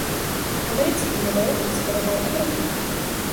Americký model inspiroval Evropu.